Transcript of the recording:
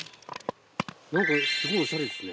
何かすごいおしゃれですね。